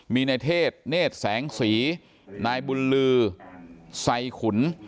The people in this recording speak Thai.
มีในเทศเนธแสงสีนายบุญลือใส่ขุน